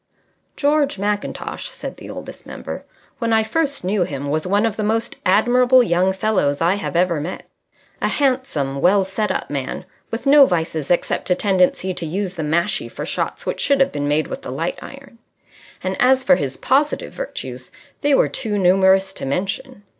George Mackintosh (said the Oldest Member), when I first knew him, was one of the most admirable young fellows I have ever met. A handsome, well set up man, with no vices except a tendency to use the mashie for shots which should have been made with the light iron. And as for his positive virtues, they were too numerous to mention.